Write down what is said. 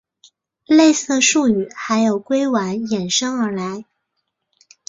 类似的术语还有硅烷衍生而来。